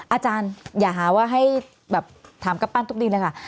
อาจารย์อย่าหาว่าให้แบบถามกัปปั้นทุกดีเลยค่ะ